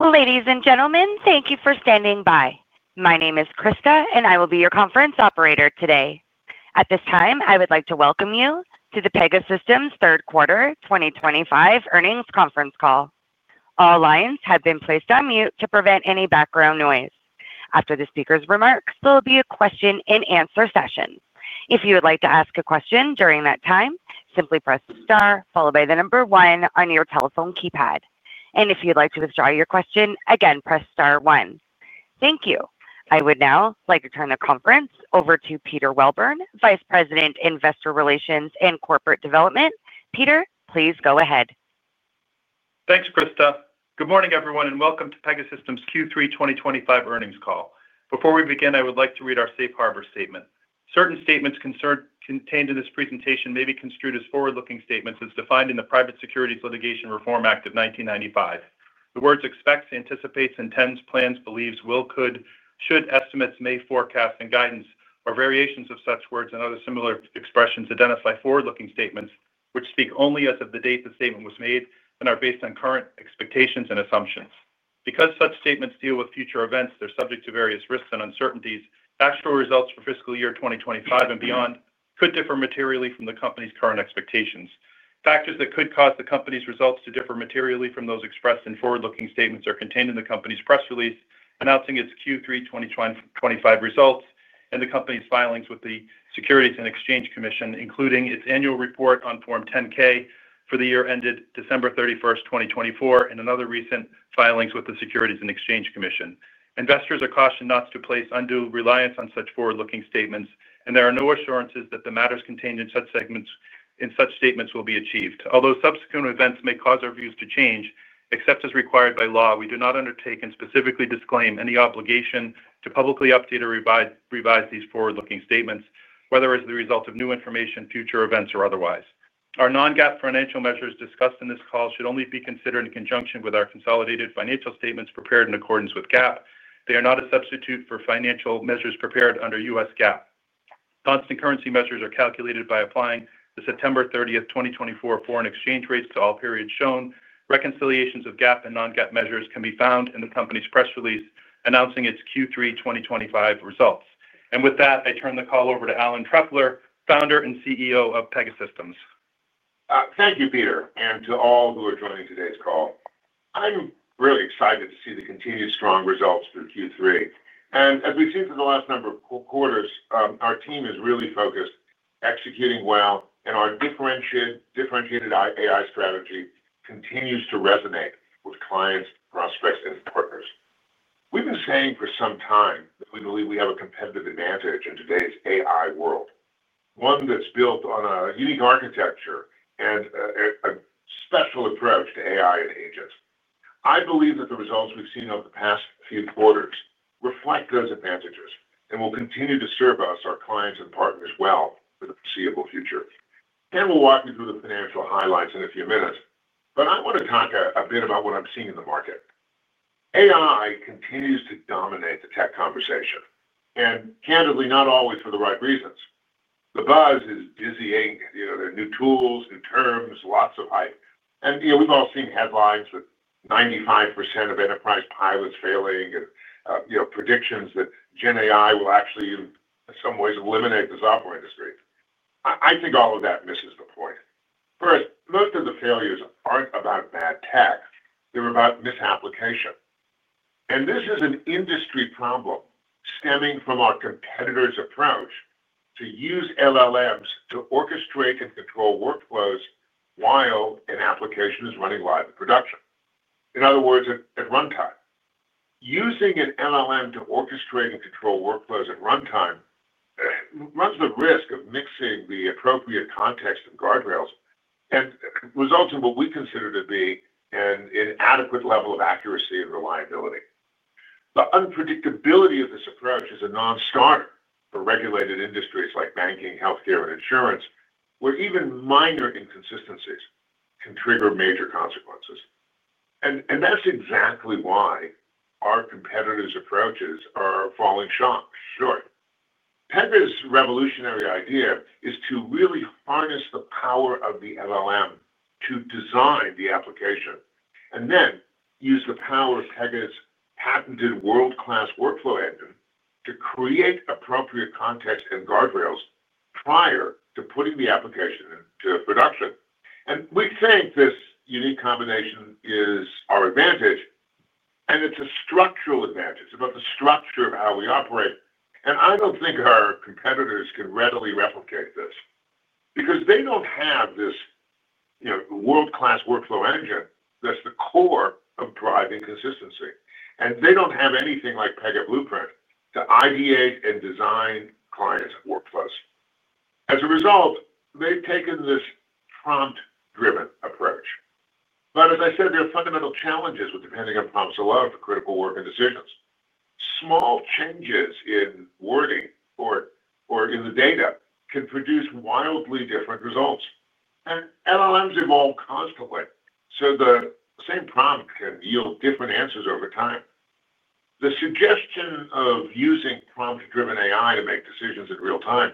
Ladies and gentlemen, thank you for standing by. My name is Krista, and I will be your conference operator today. At this time, I would like to welcome you to the Pegasystems Third Quarter 2025 Earnings Conference Call. All lines have been placed on mute to prevent any background noise. After the speaker's remarks, there will be a question and answer session. If you would like to ask a question during that time, simply press the star, followed by the number one on your telephone keypad. If you'd like to withdraw your question, again, press star one. Thank you. I would now like to turn the conference over to Peter Welburn, Vice President, Investor Relations and Corporate Development. Peter, please go ahead. Thanks, Krista. Good morning, everyone, and welcome to Pegasystems Q3 2025 Earnings Call. Before we begin, I would like to read our safe harbor statement. Certain statements contained in this presentation may be construed as forward-looking statements as defined in the Private Securities Litigation Reform Act of 1995. The words expects, anticipates, intends, plans, believes, will, could, should, estimates, may, forecast, and guidance are variations of such words and other similar expressions identify forward-looking statements which speak only as of the date the statement was made and are based on current expectations and assumptions. Because such statements deal with future events, they're subject to various risks and uncertainties. Actual results for fiscal year 2025 and beyond could differ materially from the company's current expectations. Factors that could cause the company's results to differ materially from those expressed in forward-looking statements are contained in the company's press release announcing its Q3 2025 results and the company's filings with the Securities and Exchange Commission, including its annual report on Form 10-K for the year ended December 31st, 2024, and other recent filings with the Securities and Exchange Commission. Investors are cautioned not to place undue reliance on such forward-looking statements, and there are no assurances that the matters contained in such statements will be achieved. Although subsequent events may cause our views to change, except as required by law, we do not undertake and specifically disclaim any obligation to publicly update or revise these forward-looking statements, whether as the result of new information, future events, or otherwise. Our non-GAAP financial measures discussed in this call should only be considered in conjunction with our consolidated financial statements prepared in accordance with GAAP. They are not a substitute for financial measures prepared under U.S. GAAP. Constant currency measures are calculated by applying the September 30th, 2024 foreign exchange rates to all periods shown. Reconciliations of GAAP and non-GAAP measures can be found in the company's press release announcing its Q3 2025 results. With that, I turn the call over to Alan Trefler, Founder and CEO of Pegasystems. Thank you, Peter, and to all who are joining today's call. I'm really excited to see the continued strong results through Q3. As we've seen for the last number of quarters, our team is really focused, executing well, and our differentiated AI strategy continues to resonate with clients, prospects, and partners. We've been saying for some time that we believe we have a competitive advantage in today's AI world, one that's built on a unique architecture and a special approach to AI and agents. I believe that the results we've seen over the past few quarters reflect those advantages and will continue to serve us, our clients, and partners well for the foreseeable future. We'll walk you through the financial highlights in a few minutes. I want to talk a bit about what I'm seeing in the market. AI continues to dominate the tech conversation, and candidly, not always for the right reasons. The buzz is dizzying. There are new tools, new terms, lots of hype. We've all seen headlines that 95% of enterprise pilots are failing and predictions that Gen AI will actually, in some ways, eliminate the software industry. I think all of that misses the point. First, most of the failures aren't about bad tech. They're about misapplication. This is an industry problem stemming from our competitors' approach to use large language models to orchestrate and control workflows while an application is running live in production. In other words, at runtime, using a large language model to orchestrate and control workflows at runtime runs the risk of mixing the appropriate context and guardrails and results in what we consider to be an inadequate level of accuracy and reliability. The unpredictability of this approach is a non-starter for regulated industries like banking, healthcare, and insurance, where even minor inconsistencies can trigger major consequences. That's exactly why our competitors' approaches are falling short. Pegas' revolutionary idea is to really harness the power of the large language model to design the application and then use the power of Pegas' patented world-class workflow engine to create appropriate context and guardrails prior to putting the application into production. We think this unique combination is our advantage, and it's a structural advantage. It's about the structure of how we operate. I don't think our competitors can readily replicate this because they don't have this world-class workflow engine that's the core of driving consistency. They don't have anything like Pega Blueprint to ideate and design client workflows. As a result, they've taken this prompt-driven approach. There are fundamental challenges with depending on prompts alone for critical work and decisions. Small changes in wording or in the data can produce wildly different results. LLMs evolve constantly, so the same prompt can yield different answers over time. The suggestion of using prompt-driven AI to make decisions in real time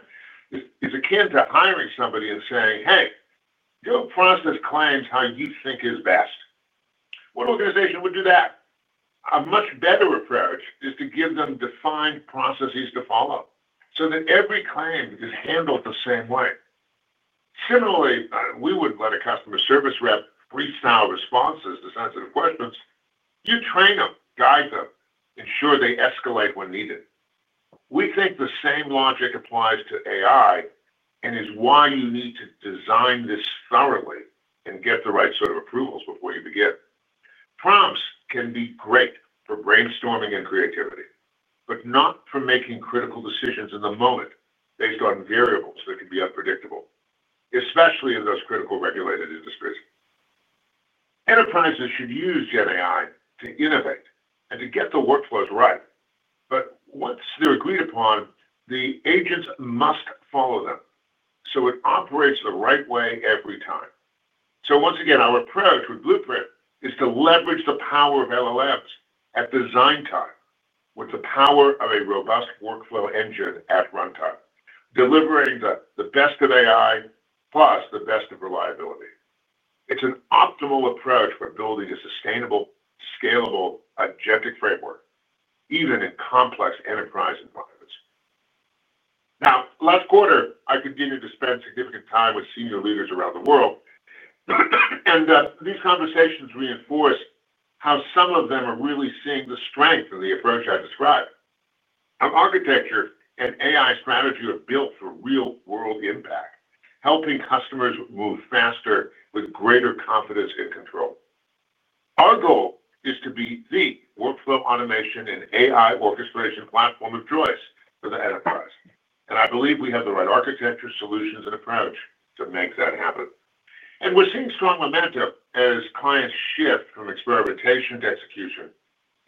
is akin to hiring somebody and saying, "Hey, your process claims how you think is best." What organization would do that? A much better approach is to give them defined processes to follow so that every claim is handled the same way. Similarly, we wouldn't let a customer service rep freestyle responses to sensitive questions. You train them, guide them, ensure they escalate when needed. We think the same logic applies to AI and is why you need to design this thoroughly and get the right sort of approvals before you begin. Prompts can be great for brainstorming and creativity, but not for making critical decisions in the moment based on variables that can be unpredictable, especially in those critical regulated industries. Enterprises should use Gen AI to innovate and to get the workflows right. Once they're agreed upon, the agents must follow them so it operates the right way every time. Once again, our approach with Blueprint is to leverage the power of LLMs at design time with the power of a robust workflow engine at runtime, delivering the best of AI plus the best of reliability. It's an optimal approach for building a sustainable, scalable, agentic framework, even in complex enterprise environments. Last quarter, I continued to spend significant time with senior leaders around the world, and these conversations reinforce how some of them are really seeing the strength of the approach I described. Our architecture and AI strategy are built for real-world impact, helping customers move faster with greater confidence and control. Our goal is to be the workflow automation and AI orchestration platform of choice for the enterprise. I believe we have the right architecture, solutions, and approach to make that happen. We are seeing strong momentum as clients shift from experimentation to execution,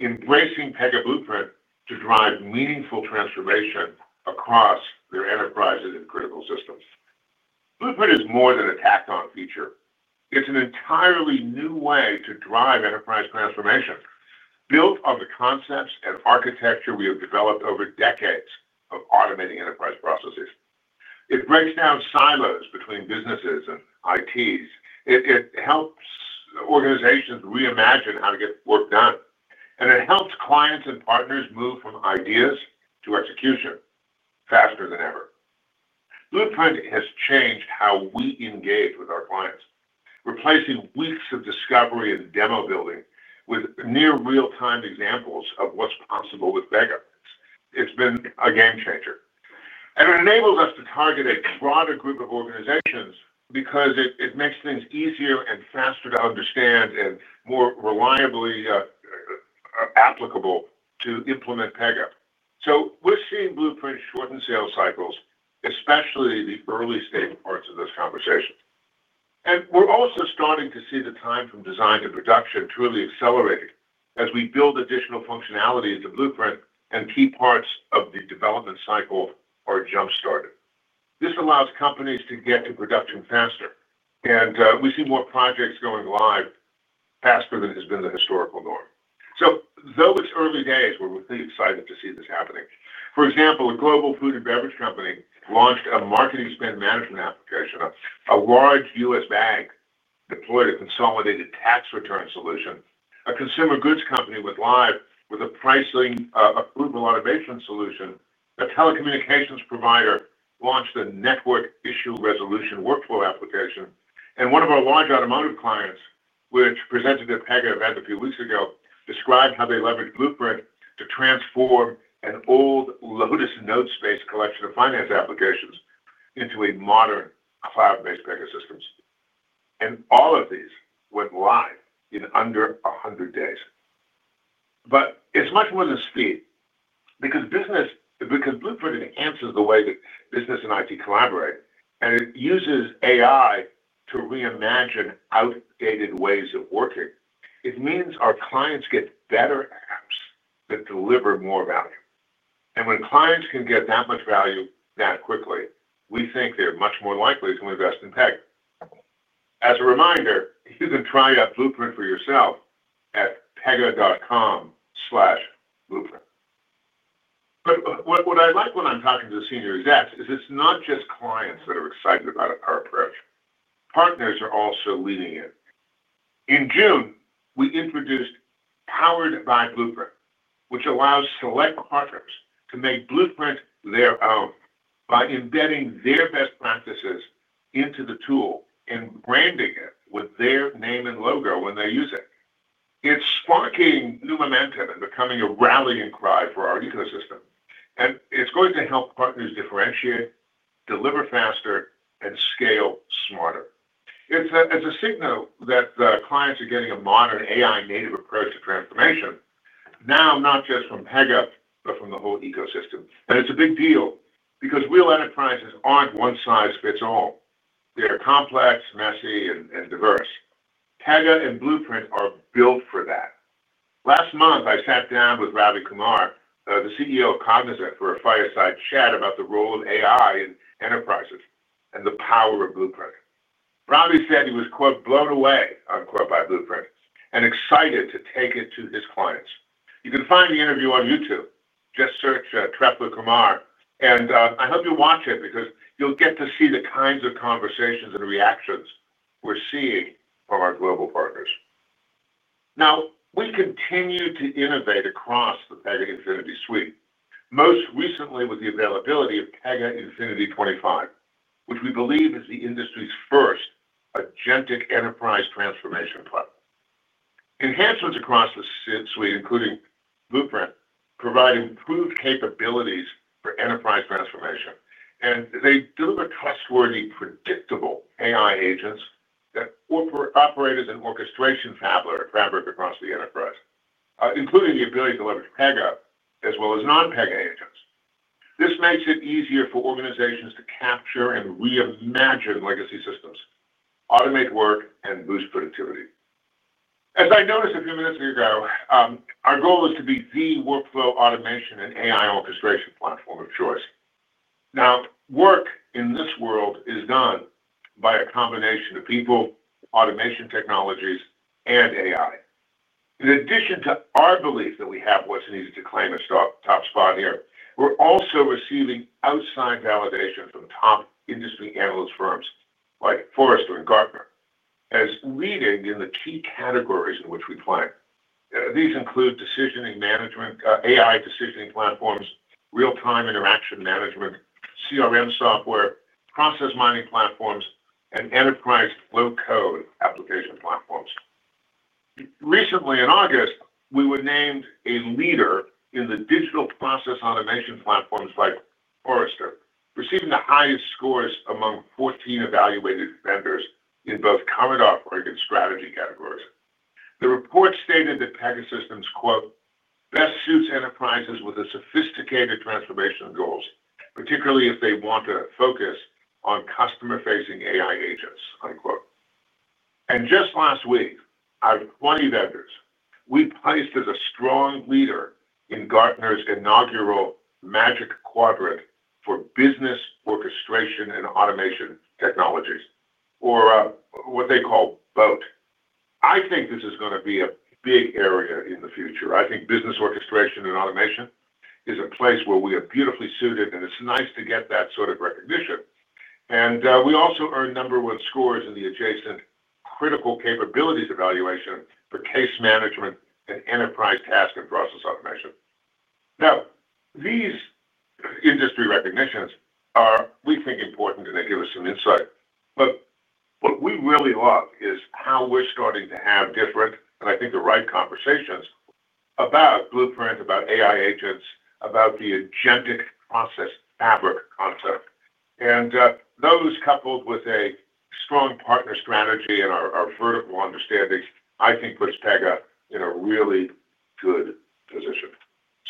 embracing Pega Blueprint to drive meaningful transformation across their enterprises and critical systems. Blueprint is more than a tacked-on feature. It is an entirely new way to drive enterprise transformation, built on the concepts and architecture we have developed over decades of automating enterprise processes. It breaks down silos between business and IT. It helps organizations reimagine how to get work done. It helps clients and partners move from ideas to execution faster than ever. Blueprint has changed how we engage with our clients, replacing weeks of discovery and demo building with near real-time examples of what is possible with Pega. It has been a game changer. It enables us to target a broader group of organizations because it makes things easier and faster to understand and more reliably applicable to implement Pega. We are seeing Blueprint shorten sales cycles, especially the early stage parts of this conversation. We are also starting to see the time from design to production truly accelerating as we build additional functionalities of Blueprint and key parts of the development cycle are jump-started. This allows companies to get to production faster. We see more projects going live faster than has been the historical norm. Though it is early days, we are really excited to see this happening. For example, a global food and beverage company launched a marketing spend management application, a large U.S. bank deployed a consolidated tax return solution, a consumer goods company went live with a pricing approval automation solution, a telecommunications provider launched a network issue resolution workflow application, and one of our large automotive clients, which presented at their Pega event a few weeks ago, described how they leveraged Blueprint to transform an old Lotus Notes-based collection of finance applications into a modern cloud-based Pega system. All of these went live in under 100 days. It is much more than speed because Blueprint enhances the way that business and IT collaborate, and it uses AI to reimagine outdated ways of working. It means our clients get better apps that deliver more value. When clients can get that much value that quickly, we think they are much more likely to invest in Pega. As a reminder, you can try out Blueprint for yourself at pega.com/blueprint. What I like when I'm talking to the senior execs is it's not just clients that are excited about our approach. Partners are also leading it. In June, we introduced Powered by Blueprint, which allows select partners to make Blueprint their own by embedding their best practices into the tool and branding it with their name and logo when they use it. It's sparking new momentum and becoming a rallying cry for our ecosystem. It's going to help partners differentiate, deliver faster, and scale smarter. It's a signal that the clients are getting a modern AI-native approach to transformation now, not just from Pega, but from the whole ecosystem. It's a big deal because real enterprises aren't one-size-fits-all. They're complex, messy, and diverse. Pega and Blueprint are built for that. Last month, I sat down with Ravi Kumar, the CEO of Cognizant, for a fireside chat about the role of AI in enterprises and the power of Blueprint. Ravi said he was, quote, "blown away," unquote, by Blueprint and excited to take it to his clients. You can find the interview on YouTube. Just search Trefler Kumar. I hope you watch it because you'll get to see the kinds of conversations and reactions we're seeing from our global partners. We continue to innovate across the Pega Infinity Suite, most recently with the availability of Pega Infinity 25, which we believe is the industry's first agentic enterprise transformation platform. Enhancements across the suite, including Blueprint, provide improved capabilities for enterprise transformation. They deliver trustworthy, predictable AI agents that operate as an orchestration fabric across the enterprise, including the ability to leverage Pega as well as non-Pega agents. This makes it easier for organizations to capture and reimagine legacy systems, automate work, and boost productivity. As I noticed a few minutes ago, our goal is to be the workflow automation and AI orchestration platform of choice. Work in this world is done by a combination of people, automation technologies, and AI. In addition to our belief that we have what's needed to claim a top spot here, we're also receiving outside validation from top industry analyst firms like Forrester and Gartner as leading in the key categories in which we play. These include decisioning management, AI decisioning platforms, real-time interaction management, CRM software, process mining platforms, and enterprise low-code application platforms. Recently, in August, we were named a leader in the digital process automation platforms by Forrester, receiving the highest scores among 14 evaluated vendors in both Commonwealth and Strategy categories. The report stated that Pegasystems, quote, "best suits enterprises with a sophisticated transformation of goals, particularly if they want to focus on customer-facing AI agents," unquote. Just last week, out of 20 vendors, we placed as a strong leader in Gartner's inaugural Magic Quadrant for business orchestration and automation technologies, or what they call BOAT. I think this is going to be a big area in the future. I think business orchestration and automation is a place where we are beautifully suited, and it's nice to get that sort of recognition. We also earned number one scores in the adjacent critical capabilities evaluation for case management and enterprise task and process automation. These industry recognitions are, we think, important, and they give us some insight. What we really love is how we're starting to have different, and I think the right conversations about Blueprint, about AI agents, about the agentic process fabric concept. Those coupled with a strong partner strategy and our vertical understandings, I think, puts Pega in a really good position.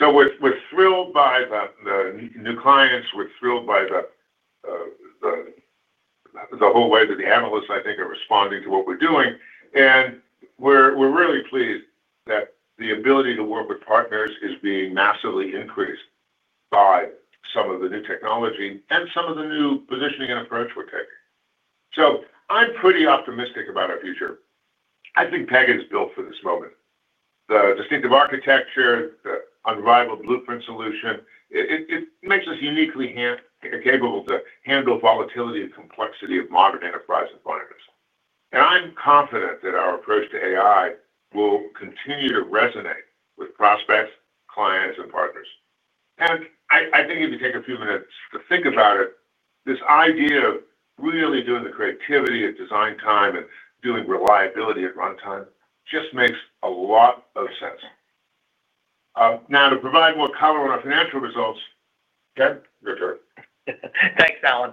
We're thrilled by the new clients. We're thrilled by the whole way that the analysts, I think, are responding to what we're doing. We're really pleased that the ability to work with partners is being massively increased by some of the new technology and some of the new positioning and approach we're taking. I'm pretty optimistic about our future. I think Pega is built for this moment. The distinctive architecture, the unrivaled Blueprint solution, it makes us uniquely capable to handle volatility and complexity of modern enterprise environments. I'm confident that our approach to AI will continue to resonate with prospects, clients, and partners. I think if you take a few minutes to think about it, this idea of really doing the creativity at design time and doing reliability at runtime just makes a lot of sense. Now, to provide more color on our financial results, Ken, your turn. Thanks, Alan.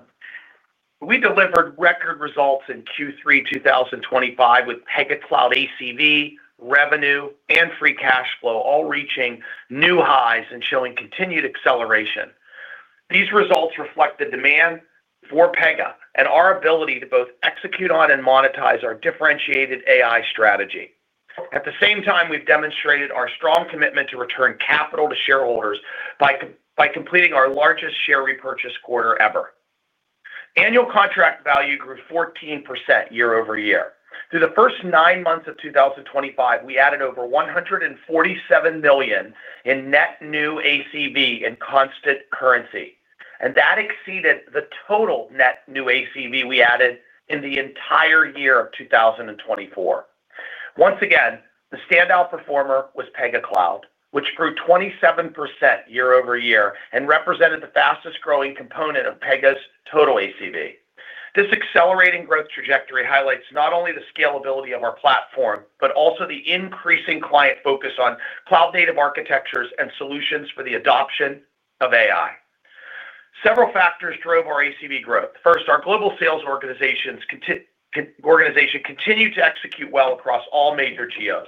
We delivered record results in Q3 2025 with Pega Cloud ACV, revenue, and free cash flow, all reaching new highs and showing continued acceleration. These results reflect the demand for Pega and our ability to both execute on and monetize our differentiated AI strategy. At the same time, we've demonstrated our strong commitment to return capital to shareholders by completing our largest share repurchase quarter ever. Annual contract value grew 14% year-over-year. Through the first nine months of 2025, we added over $147 million in net new ACV in constant currency. That exceeded the total net new ACV we added in the entire year of 2024. Once again, the standout performer was Pega Cloud, which grew 27% year-over-year and represented the fastest growing component of Pega's total ACV. This accelerating growth trajectory highlights not only the scalability of our platform, but also the increasing client focus on cloud-native architectures and solutions for the adoption of AI. Several factors drove our ACV growth. First, our global sales organization continued to execute well across all major GOs.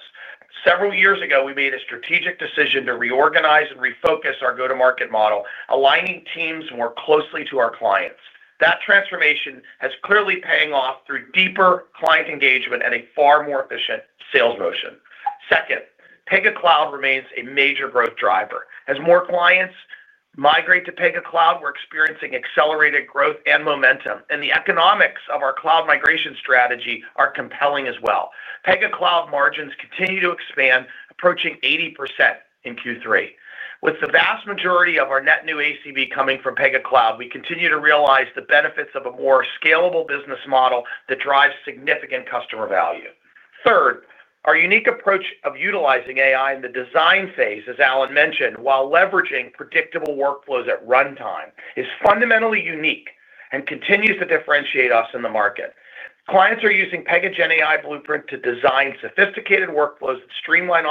Several years ago, we made a strategic decision to reorganize and refocus our go-to-market model, aligning teams more closely to our clients. That transformation is clearly paying off through deeper client engagement and a far more efficient sales motion. Second, Pega Cloud remains a major growth driver. As more clients migrate to Pega Cloud, we're experiencing accelerated growth and momentum. The economics of our cloud migration strategy are compelling as well. Pega Cloud margins continue to expand, approaching 80% in Q3. With the vast majority of our net new ACV coming from Pega Cloud, we continue to realize the benefits of a more scalable business model that drives significant customer value. Third, our unique approach of utilizing AI in the design phase, as Alan mentioned, while leveraging predictable workflows at runtime, is fundamentally unique and continues to differentiate us in the market. Clients are using Pega GenAI Blueprint to design sophisticated workflows that streamline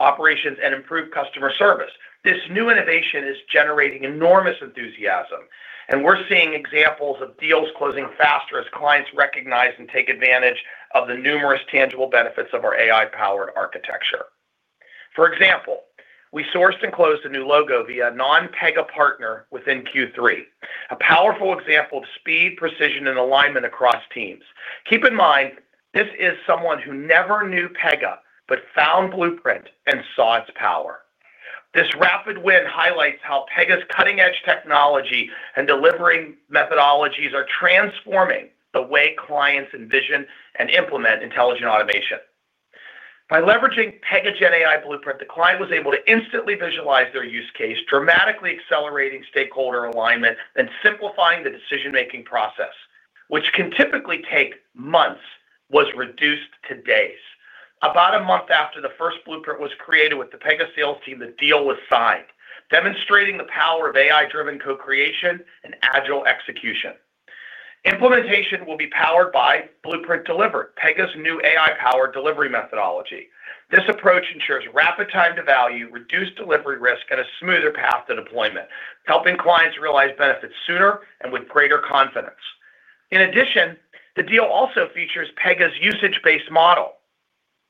operations and improve customer service. This new innovation is generating enormous enthusiasm. We're seeing examples of deals closing faster as clients recognize and take advantage of the numerous tangible benefits of our AI-powered architecture. For example, we sourced and closed a new logo via a non-Pega partner within Q3, a powerful example of speed, precision, and alignment across teams. Keep in mind, this is someone who never knew Pega but found Blueprint and saw its power. This rapid win highlights how Pega's cutting-edge technology and delivery methodologies are transforming the way clients envision and implement intelligent automation. By leveraging Pega GenAI Blueprint, the client was able to instantly visualize their use case, dramatically accelerating stakeholder alignment and simplifying the decision-making process, which can typically take months, was reduced to days. About a month after the first Blueprint was created with the Pega sales team, the deal was signed, demonstrating the power of AI-driven co-creation and agile execution. Implementation will be powered by Blueprint Delivered, Pega's new AI-powered delivery methodology. This approach ensures rapid time to value, reduced delivery risk, and a smoother path to deployment, helping clients realize benefits sooner and with greater confidence. In addition, the deal also features Pega's usage-based model.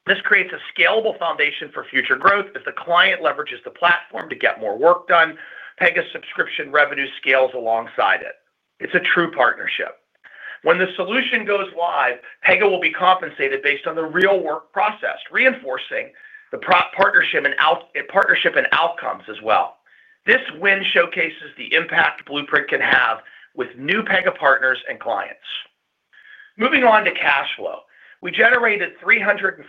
This creates a scalable foundation for future growth. If the client leverages the platform to get more work done, Pega's subscription revenue scales alongside it. It's a true partnership. When the solution goes live, Pega will be compensated based on the real work processed, reinforcing the partnership and outcomes as well. This win showcases the impact Blueprint can have with new Pega partners and clients. Moving on to cash flow, we generated $347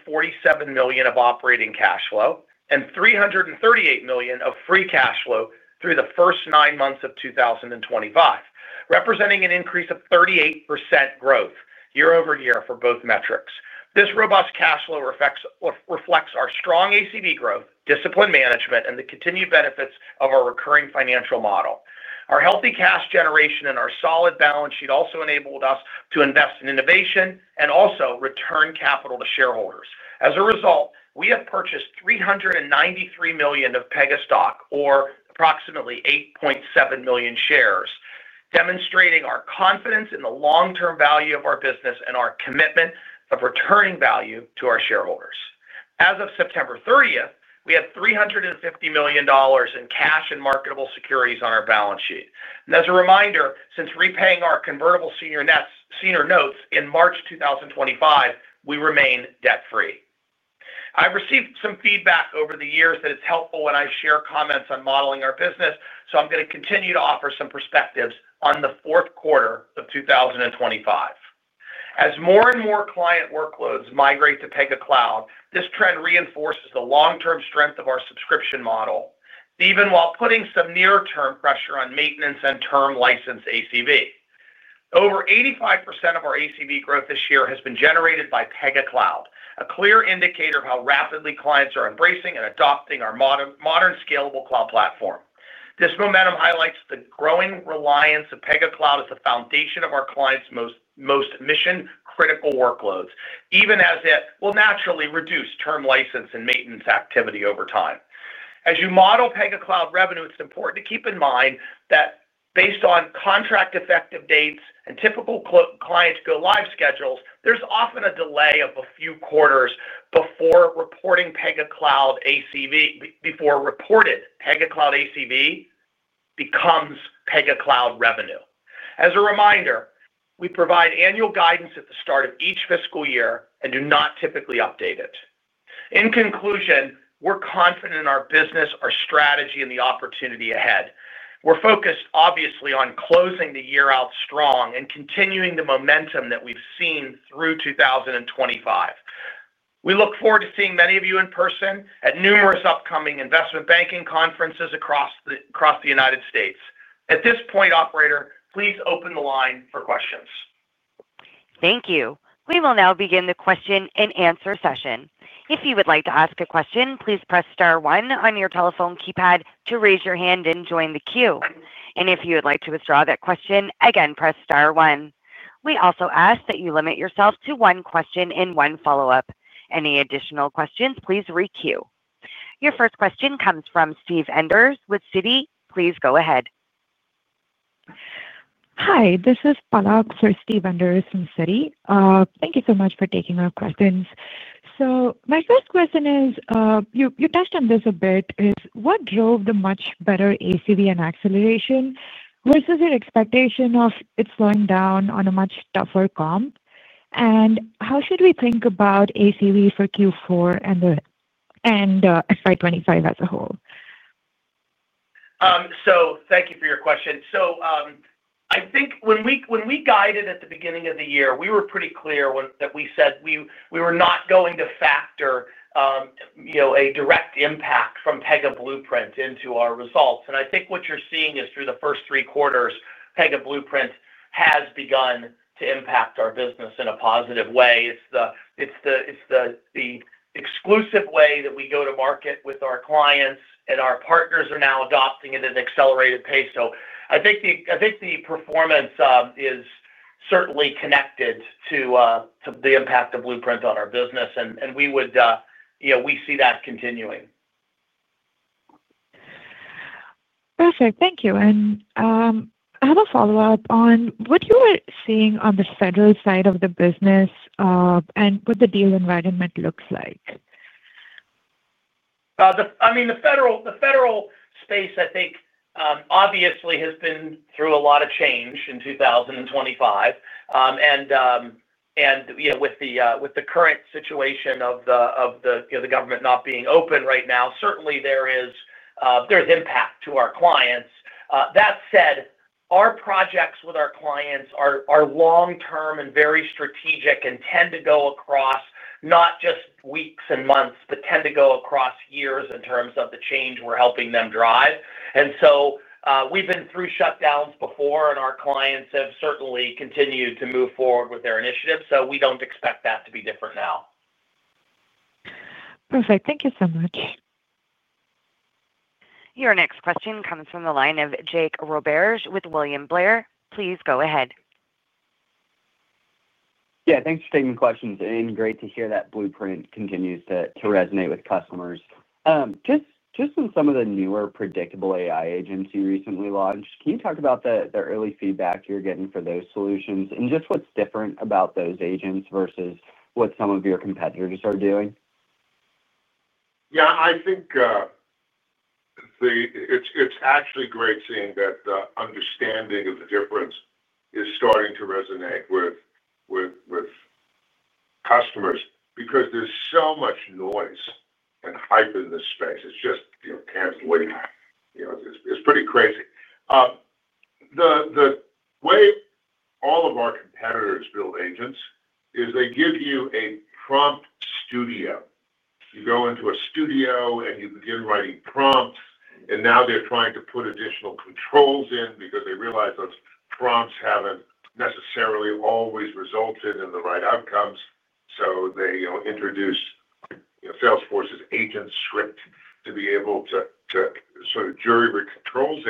million of operating cash flow and $338 million of free cash flow through the first nine months of 2025, representing an increase of 38% growth year-over-year for both metrics. This robust cash flow reflects our strong ACV growth, disciplined management, and the continued benefits of our recurring financial model. Our healthy cash generation and our solid balance sheet also enabled us to invest in innovation and also return capital to shareholders. As a result, we have purchased $393 million of Pega stock, or approximately 8.7 million shares, demonstrating our confidence in the long-term value of our business and our commitment of returning value to our shareholders. As of September 30th, we had $350 million in cash and marketable securities on our balance sheet. As a reminder, since repaying our convertible senior notes in March 2025, we remain debt-free. I've received some feedback over the years that it's helpful when I share comments on modeling our business, so I'm going to continue to offer some perspectives on the fourth quarter of 2025. As more and more client workloads migrate to Pega Cloud, this trend reinforces the long-term strength of our subscription model, even while putting some near-term pressure on maintenance and term license ACV. Over 85% of our ACV growth this year has been generated by Pega Cloud, a clear indicator of how rapidly clients are embracing and adopting our modern, scalable cloud platform. This momentum highlights the growing reliance of Pega Cloud as the foundation of our clients' most mission-critical workloads, even as it will naturally reduce term license and maintenance activity over time. As you model Pega Cloud revenue, it's important to keep in mind that based on contract effective dates and typical client go-live schedules, there's often a delay of a few quarters before reported Pega Cloud ACV becomes Pega Cloud revenue. As a reminder, we provide annual guidance at the start of each fiscal year and do not typically update it. In conclusion, we're confident in our business, our strategy, and the opportunity ahead. We're focused, obviously, on closing the year out strong and continuing the momentum that we've seen through 2025. We look forward to seeing many of you in person at numerous upcoming investment banking conferences across the United States. At this point, operator, please open the line for questions. Thank you. We will now begin the question and answer session. If you would like to ask a question, please press star one on your telephone keypad to raise your hand and join the queue. If you would like to withdraw that question, again, press star one. We also ask that you limit yourself to one question and one follow-up. Any additional questions, please re-queue. Your first question comes from Steve Enders with Citi. Please go ahead. I'm sorry, Steve Enders from Citi. Thank you so much for taking our questions. My first question is, you touched on this a bit, what drove the much better ACV and acceleration versus your expectation of it slowing down on a much tougher comp? How should we think about ACV for Q4 and the FY 2025 as a whole? Thank you for your question. I think when we guided at the beginning of the year, we were pretty clear that we said we were not going to factor a direct impact from Pega Blueprint into our results. I think what you're seeing is through the first three quarters, Pega Blueprint has begun to impact our business in a positive way. It's the exclusive way that we go to market with our clients, and our partners are now adopting it at an accelerated pace. I think the performance is certainly connected to the impact of Pega Blueprint on our business. We see that continuing. Perfect. Thank you. I have a follow-up on what you are seeing on the federal side of the business and what the deal environment looks like. I mean, the federal space, I think, obviously has been through a lot of change in 2025. You know, with the current situation of the government not being open right now, certainly there is impact to our clients. That said, our projects with our clients are long-term and very strategic and tend to go across not just weeks and months, but tend to go across years in terms of the change we're helping them drive. We've been through shutdowns before, and our clients have certainly continued to move forward with their initiatives. We don't expect that to be different now. Perfect. Thank you so much. Your next question comes from the line of Jake Roberge with William Blair. Please go ahead. Yeah, thanks for taking the questions, and great to hear that Blueprint continues to resonate with customers. Just in some of the newer predictable AI agents you recently launched, can you talk about the early feedback you're getting for those solutions and just what's different about those agents versus what some of your competitors are doing? Yeah, I think it's actually great seeing that the understanding of the difference is starting to resonate with customers because there's so much noise and hype in this space. It's just, you know, can't believe it's pretty crazy. The way all of our competitors build agents is they give you a prompt studio. You go into a studio and you begin writing prompts, and now they're trying to put additional controls in because they realize those prompts haven't necessarily always resulted in the right outcomes. They introduced Salesforce's agent script to be able to sort of jury-rig controls.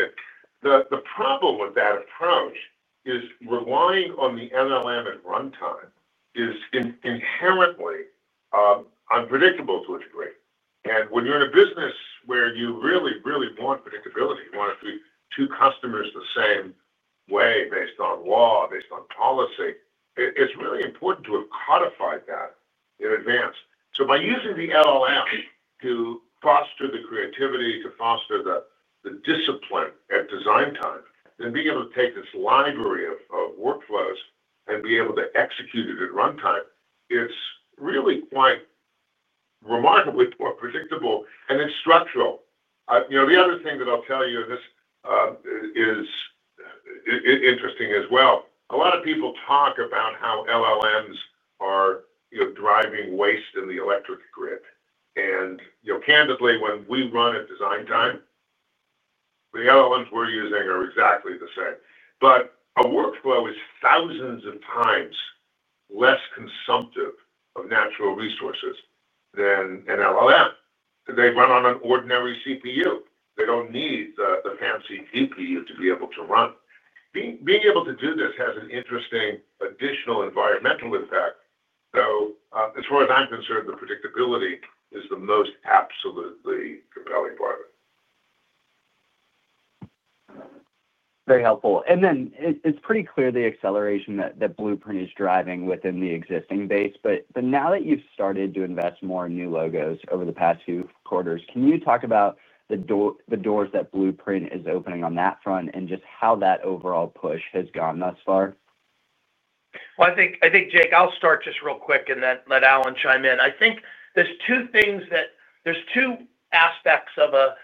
The problem with that approach is relying on the LLM at runtime is inherently unpredictable to a degree. When you're in a business where you really, really want predictability, you want it to be two customers the same way based on law, based on policy, it's really important to have codified that in advance. By using the LLM to foster the creativity, to foster the discipline at design time, then being able to take this library of workflows and be able to execute it at runtime, it's really quite remarkably predictable and it's structural. You know, the other thing that I'll tell you, and this is interesting as well, a lot of people talk about how LLMs are driving waste in the electric grid. You know, candidly, when we run at design time, the LLMs we're using are exactly the same. A workflow is thousands of times less consumptive of natural resources than an LLM. They run on an ordinary CPU. They don't need the fancy GPU to be able to run. Being able to do this has an interesting additional environmental impact. As far as I'm concerned, the predictability is the most absolutely compelling part of it. Very helpful. It's pretty clear the acceleration that Blueprint is driving within the existing base. Now that you've started to invest more in new logos over the past few quarters, can you talk about the doors that Blueprint is opening on that front and just how that overall push has gone thus far? I think, Jake, I'll start just real quick and then let Alan chime in. I think there's two things, there's two aspects of a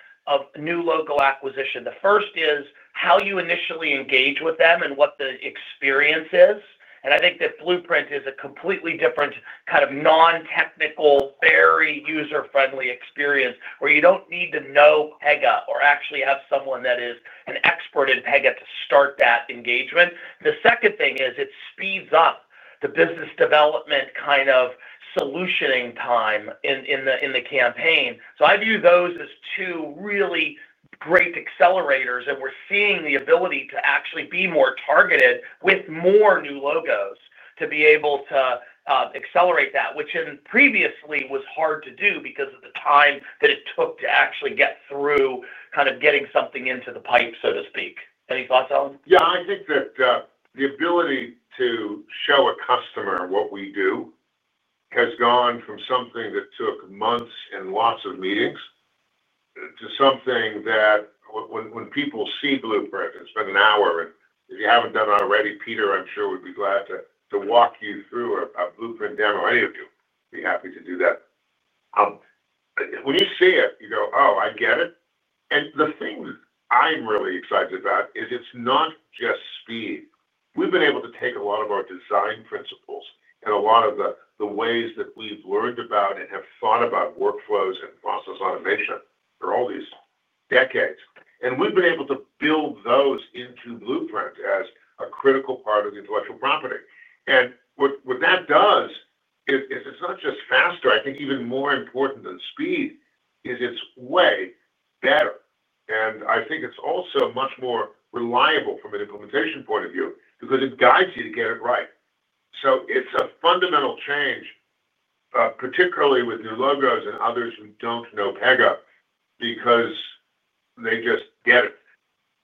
new logo acquisition. The first is how you initially engage with them and what the experience is. I think that Blueprint is a completely different kind of non-technical, very user-friendly experience where you don't need to know Pega or actually have someone that is an expert in Pega to start that engagement. The second thing is it speeds up the business development kind of solutioning time in the campaign. I view those as two really great accelerators. We're seeing the ability to actually be more targeted with more new logos to be able to accelerate that, which previously was hard to do because of the time that it took to actually get through kind of getting something into the pipe, so to speak. Any thoughts, Alan? Yeah, I think that the ability to show a customer what we do has gone from something that took months and lots of meetings to something that when people see Blueprint and spend an hour, and if you haven't done it already, Peter, I'm sure we'd be glad to walk you through a Blueprint demo. Any of you would be happy to do that. When you see it, you go, "Oh, I get it." The thing I'm really excited about is it's not just speed. We've been able to take a lot of our design principles and a lot of the ways that we've learned about and have thought about workflows and process automation for all these decades, and we've been able to build those into Blueprint as a critical part of the intellectual property. What that does is it's not just faster. I think even more important than speed is it's way better. I think it's also much more reliable from an implementation point of view because it guides you to get it right. It's a fundamental change, particularly with new logos and others who don't know Pega because they just get it.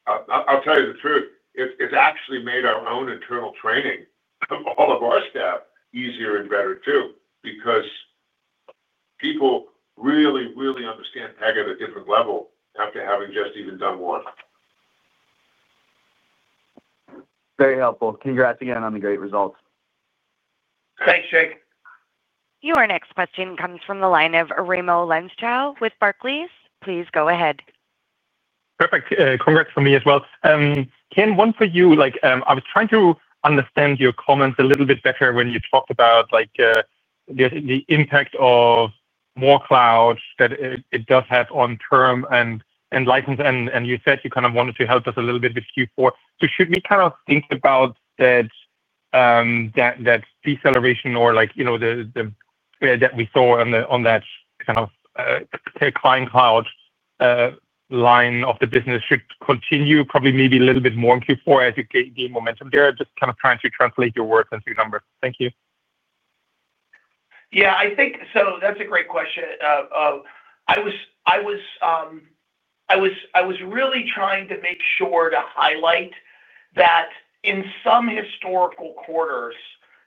I'll tell you the truth. It's actually made our own internal training of all of our staff easier and better, too, because people really, really understand Pega at a different level after having just even done one. Very helpful. Congrats again on the great results. Thanks, Jake. Your next question comes from the line of Raimo Lenschow with Barclays. Please go ahead. Perfect. Congrats for me as well. Ken, one for you. I was trying to understand your comments a little bit better when you talked about the impact of more cloud that it does have on term and license. You said you kind of wanted to help us a little bit with Q4. Should we kind of think about that deceleration or the that we saw on that kind of client cloud line of the business should continue probably maybe a little bit more in Q4 as you gain momentum? They're just kind of trying to translate your words into numbers. Thank you. Yeah, I think that's a great question. I was really trying to make sure to highlight that in some historical quarters,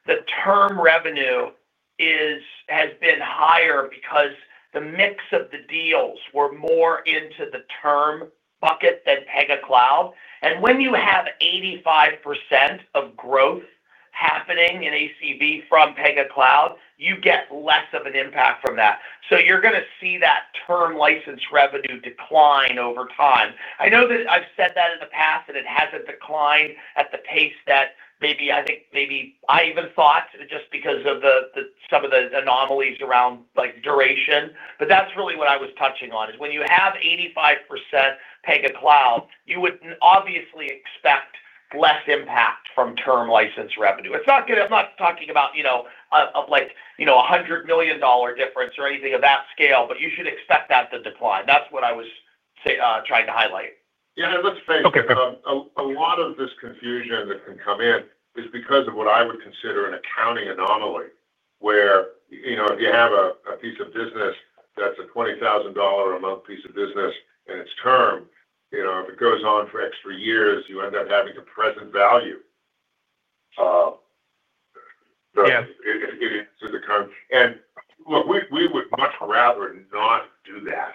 the term revenue has been higher because the mix of the deals were more into the term bucket than Pega Cloud. When you have 85% of growth happening in ACV from Pega Cloud, you get less of an impact from that. You are going to see that term license revenue decline over time. I know that I've said that in the past, and it hasn't declined at the pace that maybe I even thought just because of some of the anomalies around duration. That's really what I was touching on. When you have 85% Pega Cloud, you would obviously expect less impact from term license revenue. I'm not talking about, you know, a $100 million difference or anything of that scale, but you should expect that to decline. That's what I was trying to highlight. Yeah, let's face it, a lot of this confusion that can come in is because of what I would consider an accounting anomaly where, you know, if you have a piece of business that's a $20,000 a month piece of business and it's term, you know, if it goes on for extra years, you end up having a present value. Yes. Look, we would much rather not do that,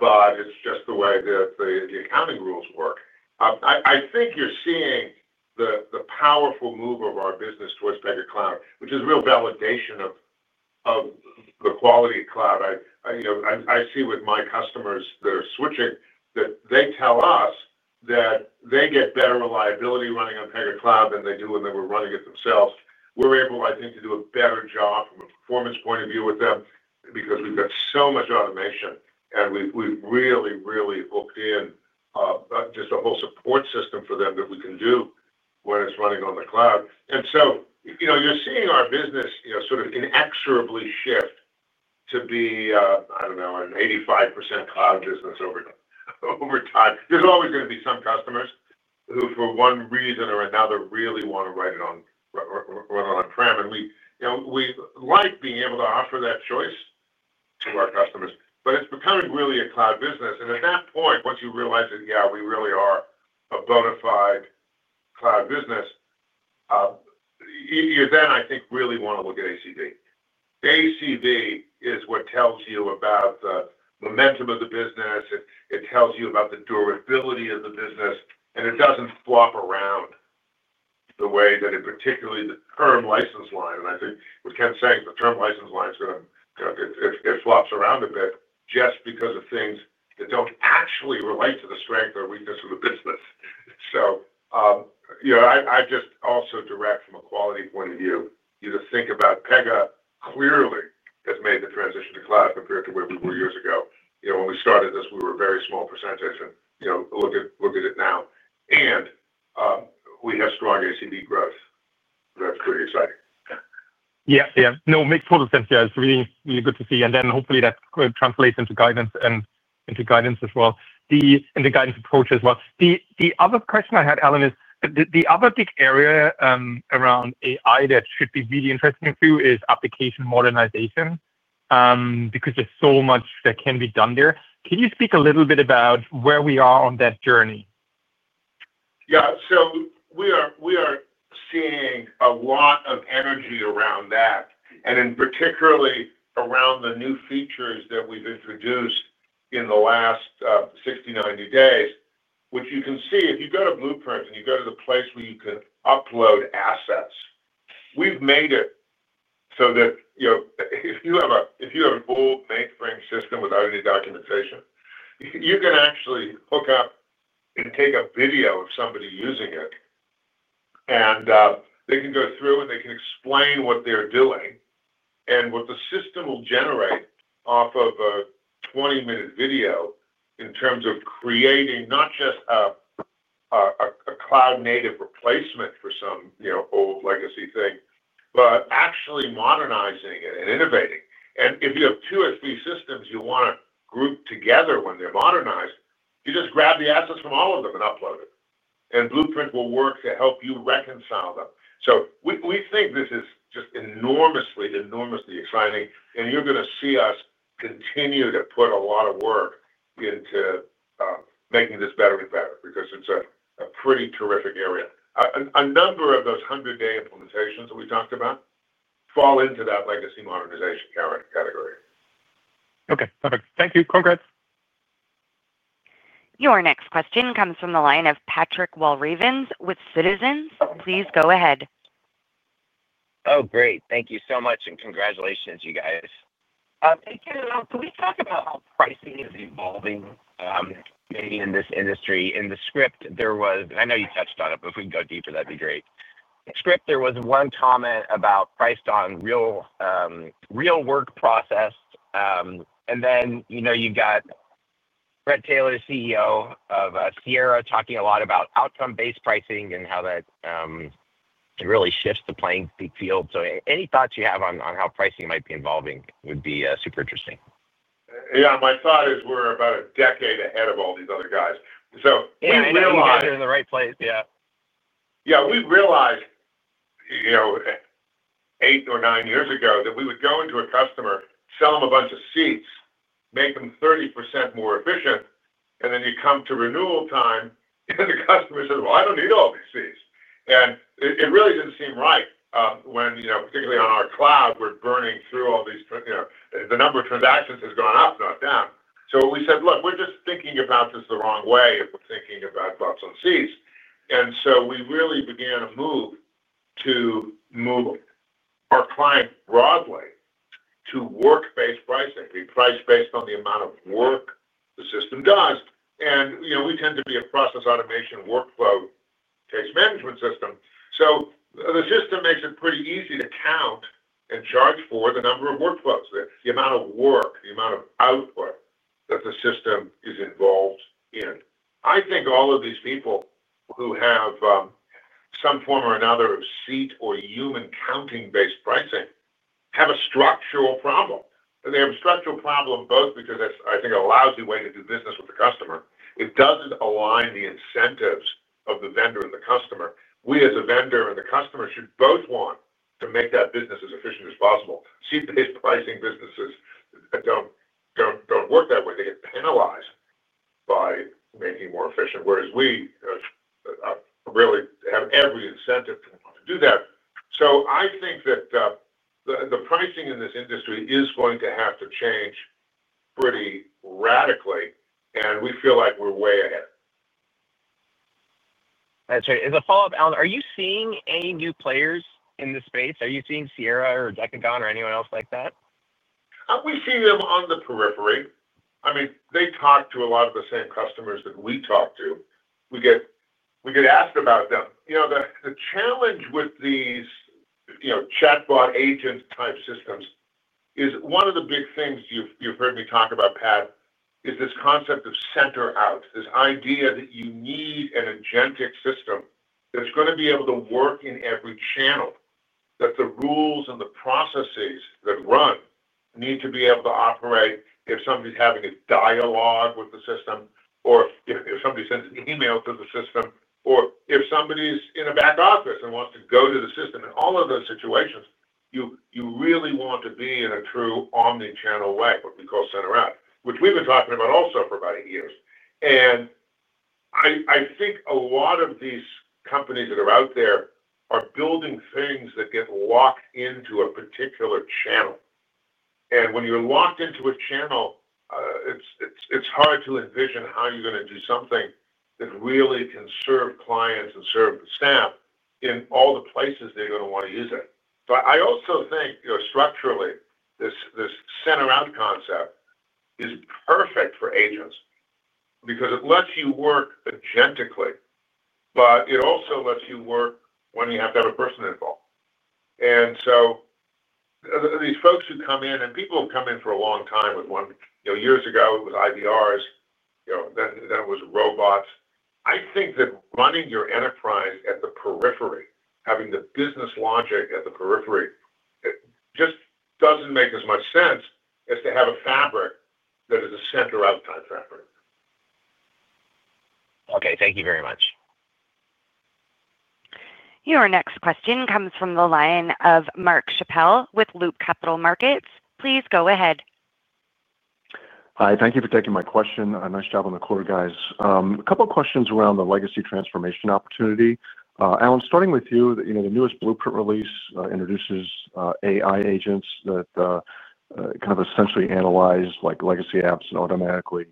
but it's just the way that the accounting rules work. I think you're seeing the powerful move of our business towards Pega Cloud, which is real validation of the quality of cloud. I see with my customers that are switching that they tell us that they get better reliability running on Pega Cloud than they do when they were running it themselves. We're able, I think, to do a better job from a performance point of view with them because we've got so much automation and we've really, really hooked in just a whole support system for them that we can do when it's running on the cloud. You know, you're seeing our business sort of inexorably shift to be, I don't know, an 85% cloud business over time. There's always going to be some customers who, for one reason or another, really want to run on-prem. We like being able to offer that choice to our customers, but it's becoming really a cloud business. At that point, once you realize that, yeah, we really are a bona fide cloud business, you then, I think, really want to look at ACV. ACV is what tells you about the momentum of the business. It tells you about the durability of the business, and it doesn't flop around the way that it, particularly the term license line. I think what Ken's saying is the term license line is going to, it flops around a bit just because of things that don't actually relate to the strength or weakness of the business. I just also direct from a quality point of view, you to think about Pega clearly has made the transition to cloud compared to where we were years ago. When we started this, we were a very small percentage. You know, look at it now. We have strong ACV growth. That's pretty exciting. Yeah, it makes total sense. It's really, really good to see. Hopefully that translates into guidance and into guidance as well, the guidance approach as well. The other question I had, Alan, is the other big area around AI that should be really interesting to you is application modernization because there's so much that can be done there. Can you speak a little bit about where we are on that journey? Yeah, we are seeing a lot of energy around that, particularly around the new features that we've introduced in the last 60, 90 days. If you go to Blueprint and you go to the place where you can upload assets, we've made it so that if you have an old mainframe system without any documentation, you can actually hook up and take a video of somebody using it. They can go through and explain what they're doing, and what the system will generate off of a 20-minute video in terms of creating not just a cloud-native replacement for some old legacy thing, but actually modernizing it and innovating. If you have two or three systems you want to group together when they're modernized, you just grab the assets from all of them and upload it, and Blueprint will work to help you reconcile them. We think this is just enormously, enormously exciting. You're going to see us continue to put a lot of work into making this better and better because it's a pretty terrific area. A number of those 100-day implementations that we talked about fall into that legacy modernization category. Okay, perfect. Thank you. Congrats. Your next question comes from the line of Patrick Walravens with Citizens. Please go ahead. Oh, great. Thank you so much. Congratulations, you guys. Hey, can we talk about how pricing is evolving, maybe in this industry? In the script, there was, and I know you touched on it, but if we can go deeper, that'd be great. In the script, there was one comment about priced on real, real work process. You know, you've got Bret Taylor, CEO of Sierra, talking a lot about outcome-based pricing and how that really shifts the playing field. Any thoughts you have on how pricing might be evolving would be super interesting. Yeah, my thought is we're about a decade ahead of all these other guys. We realize. We're in the right place, yeah. Yeah, we realized eight or nine years ago that we would go into a customer, sell them a bunch of seats, make them 30% more efficient, and then you come to renewal time and the customer says, "I don't need all these seats." It really didn't seem right when, particularly on our cloud, we're burning through all these, the number of transactions has gone up, not down. We said, "Look, we're just thinking about this the wrong way if we're thinking about bumps on seats." We really began a move to move our client broadly to work-based pricing. We price based on the amount of work the system does. We tend to be a process automation workflow case management system, so the system makes it pretty easy to count and charge for the number of workflows, the amount of work, the amount of output that the system is involved in. I think all of these people who have some form or another of seat or human counting-based pricing have a structural problem. They have a structural problem both because that's, I think, a lousy way to do business with the customer. It doesn't align the incentives of the vendor and the customer. We, as a vendor and the customer, should both want to make that business as efficient as possible. Seat-based pricing businesses don't work that way. They get penalized by making it more efficient, whereas we really have every incentive to want to do that. I think that the pricing in this industry is going to have to change pretty radically. We feel like we're way ahead. That's right. As a follow-up, Alan, are you seeing any new players in this space? Are you seeing Sierra or Decagon or anyone else like that? We see them on the periphery. I mean, they talk to a lot of the same customers that we talk to. We get asked about them. The challenge with these chatbot agent-type systems is one of the big things you've heard me talk about, Pat, is this concept of center-out, this idea that you need an agentic system that's going to be able to work in every channel, that the rules and the processes that run need to be able to operate if somebody's having a dialogue with the system, or if somebody sends an email to the system, or if somebody's in a back office and wants to go to the system. In all of those situations, you really want to be in a true omnichannel way, what we call center-out, which we've been talking about also for about eight years. I think a lot of these companies that are out there are building things that get locked into a particular channel. When you're locked into a channel, it's hard to envision how you're going to do something that really can serve clients and serve the staff in all the places they're going to want to use it. I also think structurally, this center-out concept is perfect for agents because it lets you work agentically, but it also lets you work when you have to have a person involved. These folks who come in, and people have come in for a long time with one, years ago, it was IVRs, then it was robots. I think that running your enterprise at the periphery, having the business logic at the periphery, it just doesn't make as much sense as to have a fabric that is a center-out type fabric. Okay, thank you very much. Your next question comes from the line of Mark Schappel with Loop Capital Markets. Please go ahead. Hi, thank you for taking my question. Nice job on the call, guys. A couple of questions around the legacy transformation opportunity. Alan, starting with you, the newest Blueprint release introduces AI agents that essentially analyze legacy apps and automatically